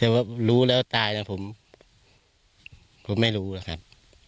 แต่ว่ารู้แล้วตายนะผมผมไม่รู้นะครับ